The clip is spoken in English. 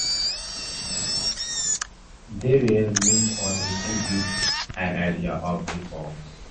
They were meant only to give an idea of the form.